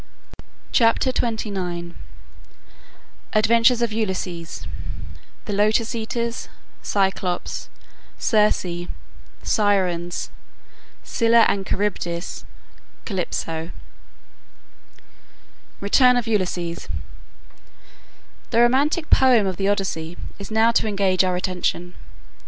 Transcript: CHAPTER XXIX ADVENTURES OF ULYSSES THE LOTUS EATERS CYCLOPES CIRCE SIRENS SCYLLA AND CHARYBDIS CALYPSO RETURN OF ULYSSES The romantic poem of the Odyssey is now to engage our attention.